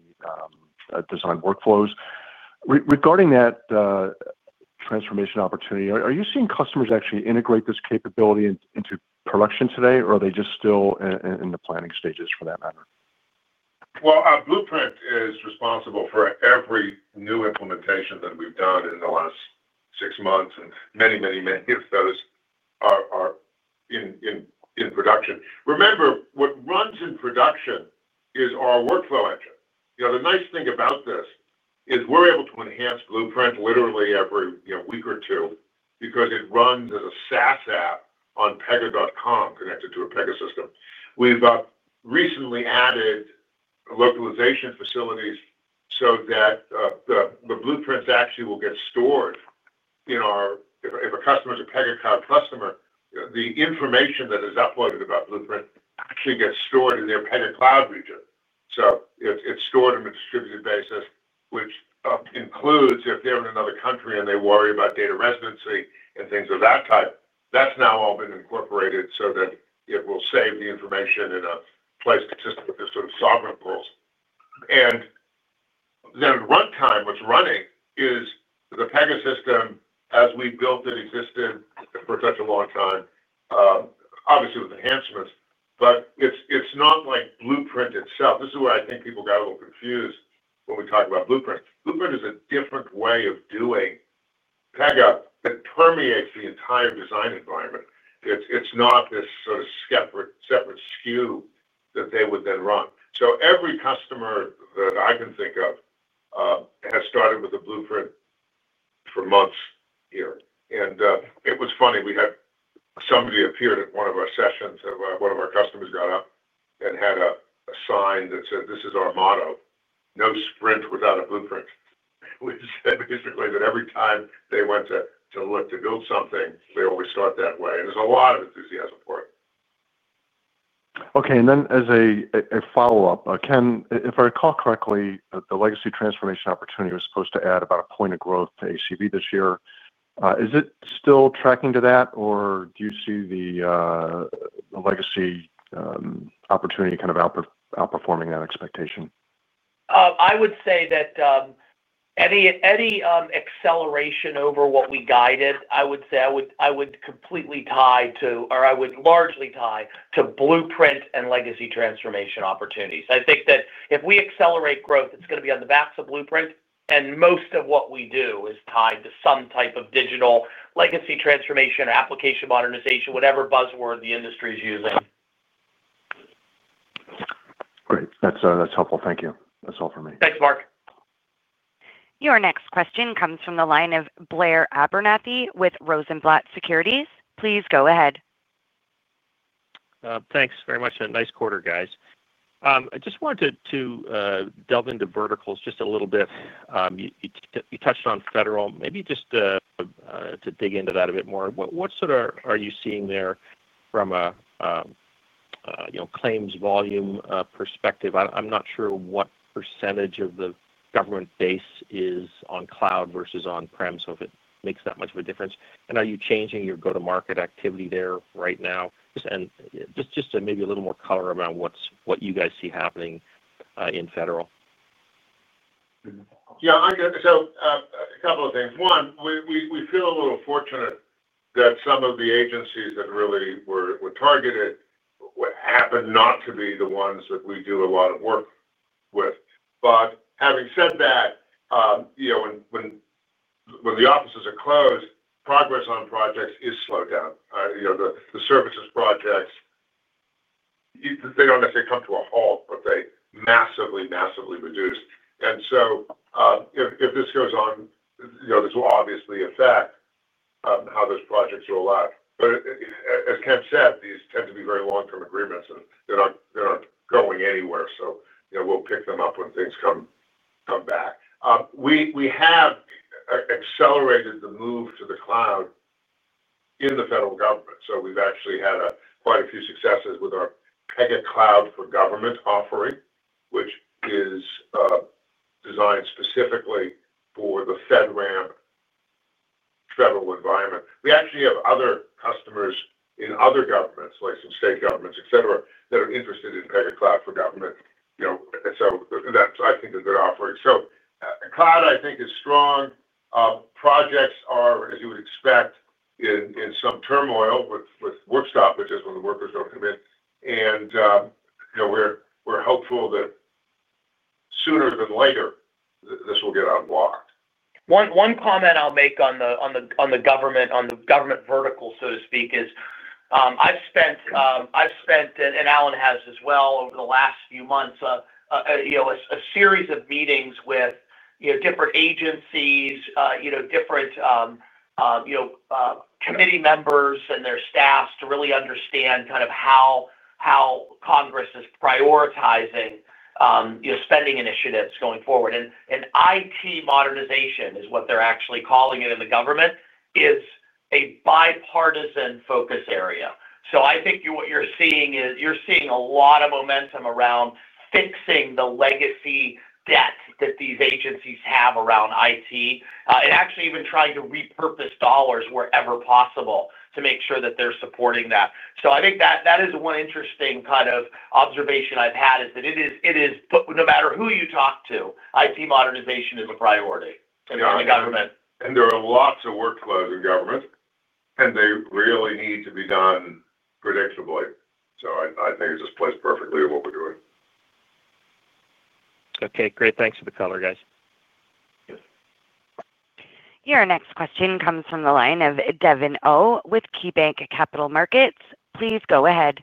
design workflows. Regarding that transformation opportunity, are you seeing customers actually integrate this capability into production today, or are they just still in the planning stages for that matter? Our Blueprint is responsible for every new implementation that we've done in the last six months, and many, many, many of those are in production. Remember, what runs in production is our workflow engine. The nice thing about this is we're able to enhance Blueprint literally every week or two because it runs as a SaaS app on pega.com connected to a Pegasystems. We've recently added localization facilities so that the Blueprints actually will get stored in our, if a customer is a Pega Cloud customer, the information that is uploaded about Blueprint actually gets stored in their Pega Cloud region. It's stored on a distributed basis, which includes if they're in another country and they worry about data residency and things of that type, that's now all been incorporated so that it will save the information in a place consistent with this sort of sovereign rules. At runtime, what's running is the Pega system as we built it, existed for such a long time, obviously with enhancements, but it's not like Blueprint itself. This is where I think people got a little confused when we talk about Blueprint. Blueprint is a different way of doing Pega that permeates the entire design environment. It's not this sort of separate SKU that they would then run. Every customer that I can think of has started with a Blueprint for months here. It was funny. We had somebody appear at one of our sessions of one of our customers got up and had a sign that said, "This is our motto: No Sprint Without a Blueprint," which said basically that every time they went to look to build something, they always thought that way. There's a lot of enthusiasm for it. Okay. Ken, if I recall correctly, the legacy transformation opportunity was supposed to add about a point of growth to ACV this year. Is it still tracking to that, or do you see the legacy opportunity kind of outperforming that expectation? I would say that any acceleration over what we guided, I would completely tie to, or I would largely tie to, Blueprint and legacy transformation opportunities. I think that if we accelerate growth, it's going to be on the backs of Blueprint. Most of what we do is tied to some type of digital legacy transformation or IT modernization, whatever buzzword the industry is using. Great. That's helpful. Thank you. That's all for me. Thanks, Mark. Your next question comes from the line of Blair Abernethy with Rosenblatt Securities. Please go ahead. Thanks very much. A nice quarter, guys. I just wanted to delve into verticals just a little bit. You touched on federal. Maybe just to dig into that a bit more. What sort of are you seeing there from a claims volume perspective? I'm not sure what % of the government base is on cloud versus on-prem, so if it makes that much of a difference. Are you changing your go-to-market activity there right now? Maybe a little more color around what you guys see happening in federal. Yeah, so a couple of things. One, we feel a little fortunate that some of the agencies that really were targeted happened not to be the ones that we do a lot of work with. Having said that, when the offices are closed, progress on projects is slowed down. The services projects, they don't necessarily come to a halt, but they massively, massively reduce. If this goes on, this will obviously affect how those projects roll out. As Ken said, these tend to be very long-term agreements, and they're not going anywhere. We'll pick them up when things come back. We have accelerated the move to the cloud in the federal government. We've actually had quite a few successes with our Pega Cloud for Government offering, which is designed specifically for the FedRAMP federal environment. We actually have other customers in other governments, like some state governments, etc., that are interested in Pega Cloud for Government. That's, I think, a good offering. Cloud, I think, is strong. Projects are, as you would expect, in some turmoil with Workstop, which is when the workers don't come in. We're hopeful that sooner than later, this will get unlocked. One comment I'll make on the government vertical, so to speak, is I've spent, and Alan has as well over the last few months, a series of meetings with different agencies, different committee members and their staff to really understand kind of how Congress is prioritizing spending initiatives going forward. IT modernization is what they're actually calling it in the government. It's a bipartisan focus area. I think what you're seeing is a lot of momentum around fixing the legacy debt that these agencies have around IT and actually even trying to repurpose dollars wherever possible to make sure that they're supporting that. I think that is one interesting kind of observation I've had, that it is, no matter who you talk to, IT modernization is a priority in the government. There are lots of workflows in government, and they really need to be done predictably. I think it just plays perfectly with what we're doing. Okay, great. Thanks for the color, guys. Your next question comes from the line of Devin Au with KeyBanc Capital Markets. Please go ahead.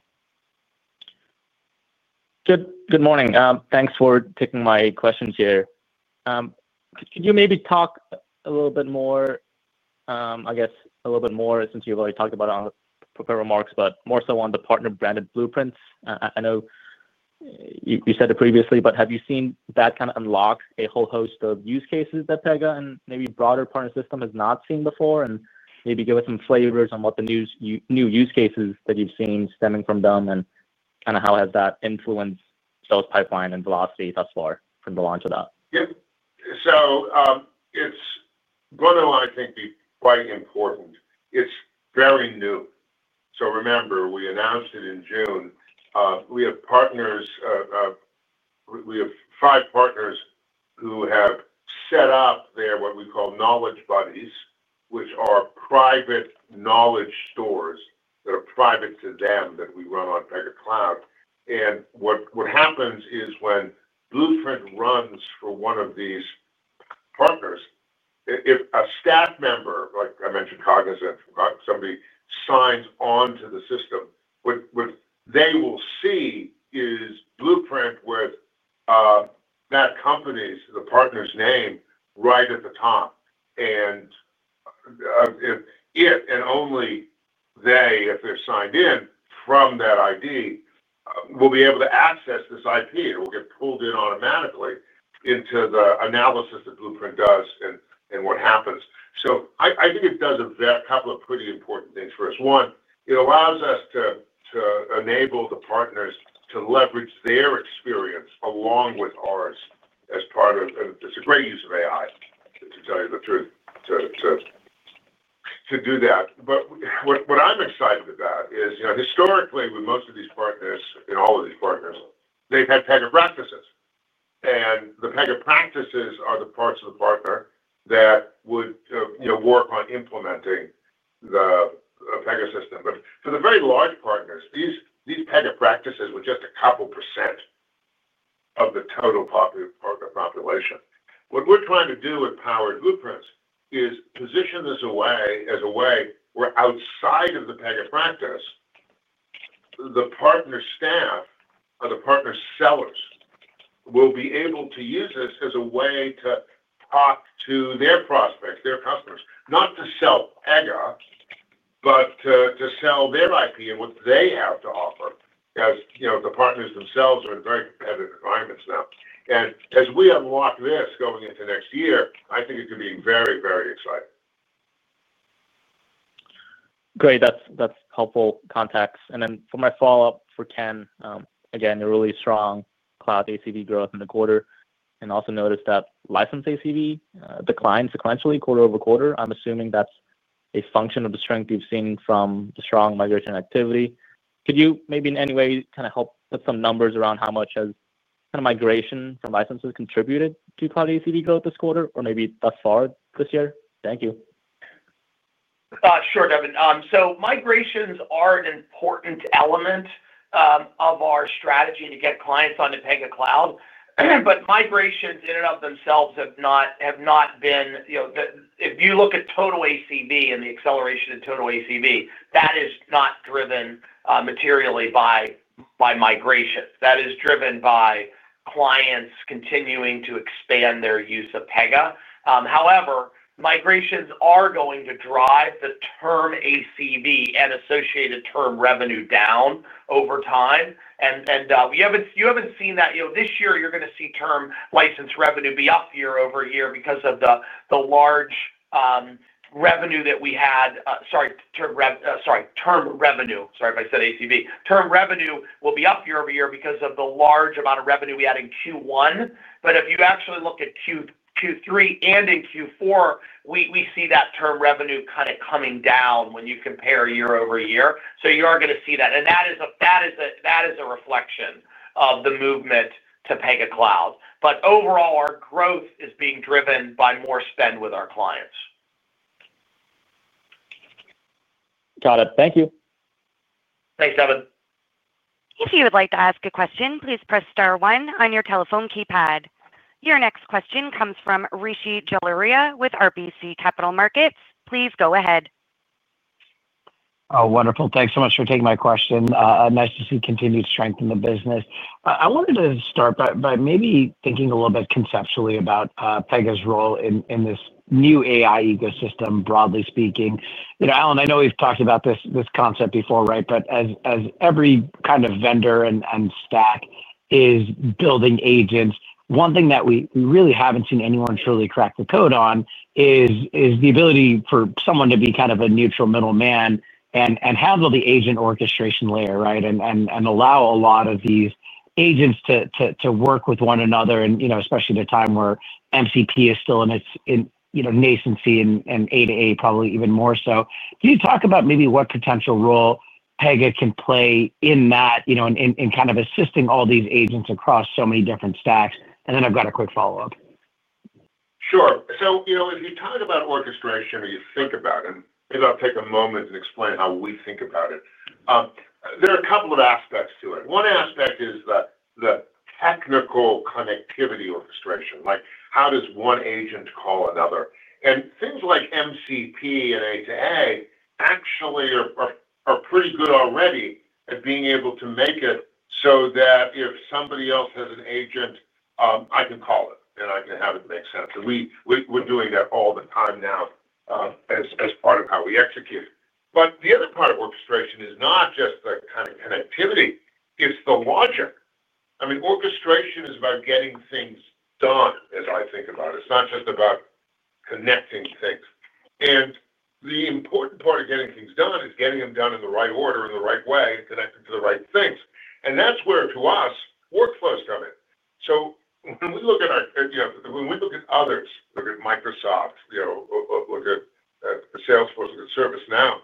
Good morning. Thanks for taking my questions here. Could you maybe talk a little bit more, I guess, since you've already talked about it in prepared remarks, but more so on the partner-branded blueprints? I know you said it previously, but have you seen that kind of unlock a whole host of use cases that Pega and maybe the broader partner system has not seen before? Maybe give us some flavors on what the new use cases that you've seen stemming from them are and how that has influenced sales pipeline and velocity thus far from the launch of that? Yeah. It's one that I think will be quite important. It's very new. Remember, we announced it in June. We have five partners who have set up their what we call knowledge buddies, which are private knowledge stores that are private to them that we run on Pega Cloud. What happens is when Blueprint runs for one of these partners, if a staff member, like I mentioned, Cognizant, somebody signs on to the system, what they will see is Blueprint with that company's, the partner's name right at the top. It and only they, if they're signed in from that ID, will be able to access this IP. It will get pulled in automatically into the analysis that Blueprint does and what happens. I think it does a couple of pretty important things for us. One, it allows us to enable the partners to leverage their experience along with ours as part of, and it's a great use of AI, to tell you the truth, to do that. What I'm excited about is, you know, historically, with most of these partners, in all of these partners, they've had Pega practices. The Pega practices are the parts of the partner that would, you know, work on implementing the Pega system. For the very large partners, these Pega practices were just a couple % of the total partner population. What we're trying to do with Powered by Blueprint is position this away as a way where outside of the Pega practice, the partner staff or the partner sellers will be able to use this as a way to talk to their prospects, their customers, not to sell Pega, but to sell their IP and what they have to offer as, you know, the partners themselves are in very competitive environments now. As we unlock this going into next year, I think it could be very, very exciting. Great. That's helpful context. For my follow-up for Ken, again, a really strong cloud ACV growth in the quarter. I also noticed that license ACV declined sequentially quarter over quarter. I'm assuming that's a function of the strength you've seen from the strong migration activity. Could you maybe in any way kind of help put some numbers around how much has kind of migration from licenses contributed to cloud ACV growth this quarter or maybe thus far this year? Thank you. Sure, Devin. Migrations are an important element of our strategy to get clients onto Pega Cloud. Migrations in and of themselves have not been, you know, if you look at total ACV and the acceleration in total ACV, that is not driven materially by migration. That is driven by clients continuing to expand their use of Pega. However, migrations are going to drive the term ACV and associated term revenue down over time. You haven't seen that. This year you're going to see term license revenue be up year-over-year because of the large revenue that we had. Sorry, term revenue. Sorry if I said ACV. Term revenue will be up year-over-year because of the large amount of revenue we had in Q1. If you actually look at Q3 and in Q4, we see that term revenue kind of coming down when you compare year-over-year. You are going to see that. That is a reflection of the movement to Pega Cloud. Overall, our growth is being driven by more spend with our clients. Got it. Thank you. Thanks, Devin. If you would like to ask a question, please press star one on your telephone keypad. Your next question comes from Rishi Jaluria with RBC Capital Markets. Please go ahead. Oh, wonderful. Thanks so much for taking my question. Nice to see continued strength in the business. I wanted to start by maybe thinking a little bit conceptually about Pega's role in this new AI ecosystem, broadly speaking. You know, Alan, I know we've talked about this concept before, right? As every kind of vendor and stack is building agents, one thing that we really haven't seen anyone truly crack the code on is the ability for someone to be kind of a neutral middleman and handle the agent orchestration layer, right, and allow a lot of these agents to work with one another. Especially at a time where MCP is still in its nascency and A to A probably even more so. Can you talk about maybe what potential role Pega can play in that, you know, in kind of assisting all these agents across so many different stacks? Then I've got a quick follow-up. Sure. If you talk about orchestration or you think about it, maybe I'll take a moment and explain how we think about it. There are a couple of aspects to it. One aspect is the technical connectivity orchestration, like how does one agent call another? Things like MCP and A to A actually are pretty good already at being able to make it so that if somebody else has an agent, I can call it and I can have it make sense. We're doing that all the time now as part of how we execute. The other part of orchestration is not just the kind of connectivity. It's the logic. Orchestration is about getting things done, as I think about it. It's not just about connecting things. The important part of getting things done is getting them done in the right order, in the right way, and connected to the right things. That's where, to us, workflows come in. When we look at our, you know, when we look at others, look at Microsoft, look at Salesforce, look at ServiceNow,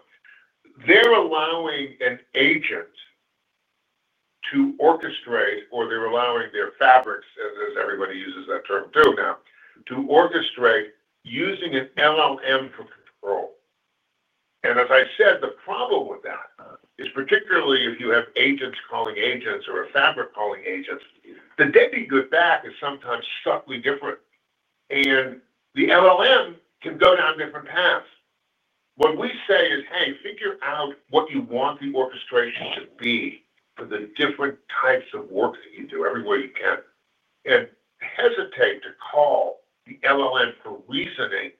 they're allowing an agent to orchestrate, or they're allowing their fabrics, as everybody uses that term too now, to orchestrate using an LLM for control. As I said, the problem with that is particularly if you have agents calling agents or a fabric calling agents, the deadbeat good back is sometimes subtly different. The LLM can go down different paths. What we say is, "Hey, figure out what you want the orchestration to be for the different types of work that you do everywhere you can." Hesitate to call the LLM for reasoning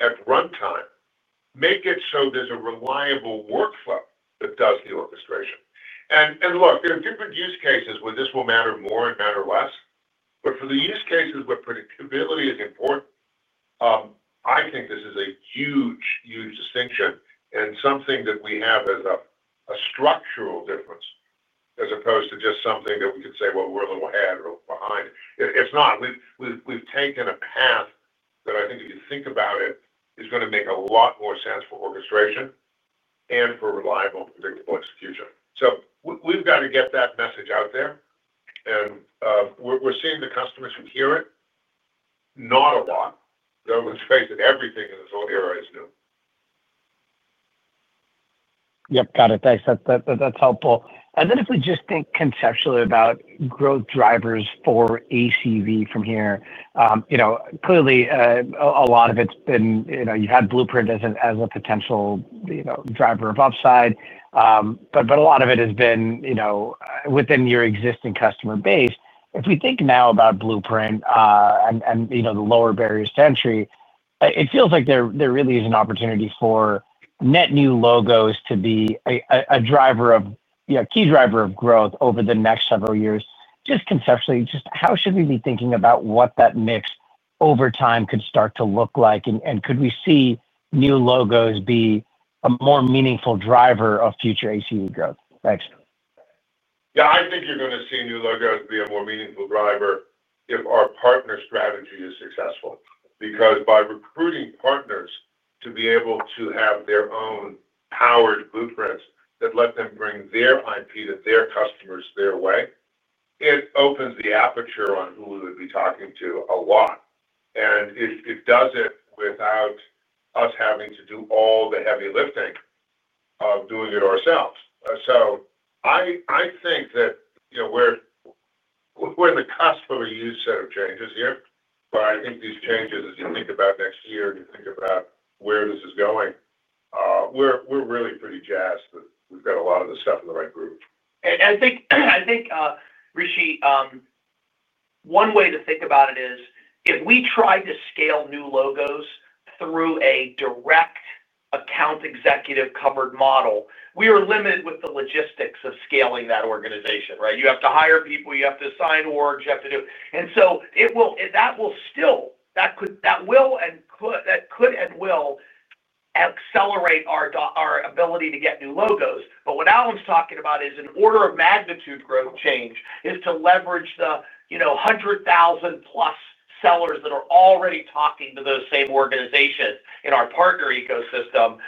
at runtime. Make it so there's a reliable workflow that does the orchestration. There are different use cases where this will matter more and matter less. For the use cases where predictability is important, I think this is a huge, huge distinction and something that we have as a structural difference as opposed to just something that we could say, "We're a little ahead or behind." It's not. We've taken a path that I think, if you think about it, is going to make a lot more sense for orchestration and for reliable and predictable execution. We've got to get that message out there. We're seeing the customers who hear it, not a lot. I would say that everything in this whole era is new. Yep, got it. Thanks. That's helpful. If we just think conceptually about growth drivers for ACV from here, clearly, a lot of it's been, you've had Blueprint as a potential driver of upside. A lot of it has been within your existing customer base. If we think now about Blueprint and the lower barriers to entry, it feels like there really is an opportunity for net new logos to be a key driver of growth over the next several years. Just conceptually, how should we be thinking about what that mix over time could start to look like? Could we see new logos be a more meaningful driver of future ACV growth? Thanks. Yeah, I think you're going to see new logos be a more meaningful driver if our partner strategy is successful. By recruiting partners to be able to have their own Powered by Blueprint solutions that let them bring their IP to their customers their way, it opens the aperture on who we would be talking to a lot. It does it without us having to do all the heavy lifting of doing it ourselves. I think that, you know, we're in the cusp of a new set of changes here. I think these changes, as you think about next year and you think about where this is going, we're really pretty jazzed that we've got a lot of the stuff in the right groove. I think, Rishi, one way to think about it is if we tried to scale new logos through a direct account executive-covered model, we are limited with the logistics of scaling that organization, right? You have to hire people, you have to assign orgs, you have to do. That could and will accelerate our ability to get new logos. What Alan's talking about is an order of magnitude growth change to leverage the 100,000+ sellers that are already talking to those same organizations in our partner ecosystem.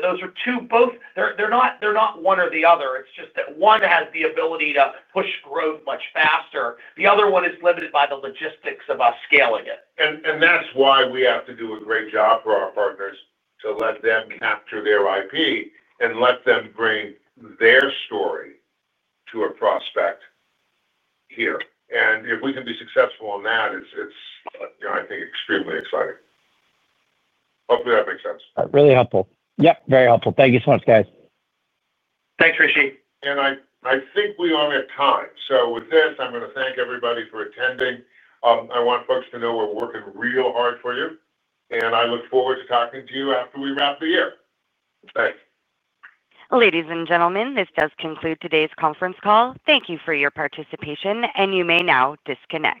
Those are two, both, they're not one or the other. It's just that one has the ability to push growth much faster. The other one is limited by the logistics of us scaling it. We have to do a great job for our partners to let them capture their IP and let them bring their story to a prospect here. If we can be successful on that, it's, you know, I think extremely exciting. Hopefully, that makes sense. Really helpful. Yep, very helpful. Thank you so much, guys. Thanks, Rishi. I think we are at time. With this, I'm going to thank everybody for attending. I want folks to know we're working real hard for you, and I look forward to talking to you after we wrap the year. Thanks. Ladies and gentlemen, this does conclude today's conference call. Thank you for your participation, and you may now disconnect.